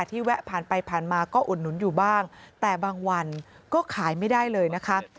แวะผ่านไปผ่านมาก็อุดหนุนอยู่บ้างแต่บางวันก็ขายไม่ได้เลยนะคะ